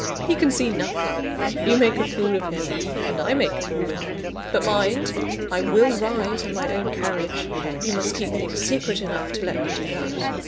He can see nothing; you make a fool of him, and I make a fool of him. But mind! I will ride in my own carriage: you must keep things secret enough to let me do that.